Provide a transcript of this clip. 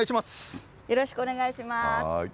よろしくお願いします。